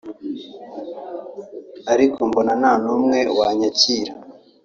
ariko mbona nta n’umwe wanyakira